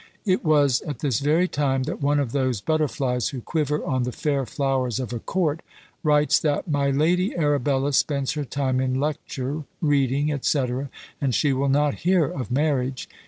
It was at this very time that one of those butterflies, who quiver on the fair flowers of a court, writes that "My Ladye Arbella spends her time in lecture, reiding, &c., and she will not hear of marriage.